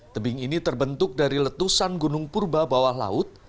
tebing ini terbentuk dari letusan gunung purba bawah laut